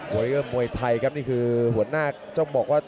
วรรยเกอร์มวยไทยครับนี่คือหัวหน้าเจ้าบอกว่า